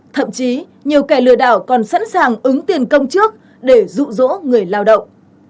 thậm chí nhiều kẻ lừa đảo còn sẵn sàng ứng tiền công trước để rụ rỗ người lao động